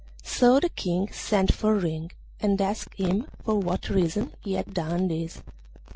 So the King sent for Ring and asked him for what reason he had done this.